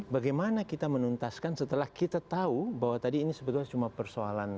bagaimana kita menuntaskan setelah kita tahu bahwa tadi ini sebetulnya cuma persoalan